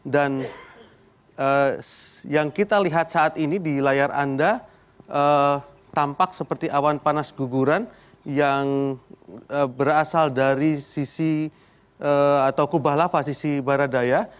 dan yang kita lihat saat ini di layar anda tampak seperti awan panas guguran yang berasal dari sisi atau kubah lava sisi barat daya